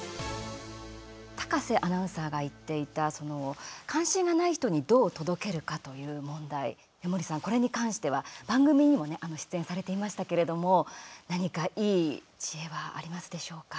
高瀬アナウンサーが言っていた関心がない人にどう届けるかという問題江守さん、これに関しては番組にも出演されていましたけれども何かいい知恵はありますでしょうか。